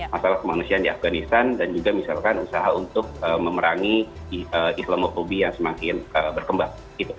masalah kemanusiaan di afganistan dan juga misalkan usaha untuk memerangi islamophobi yang semakin berkembang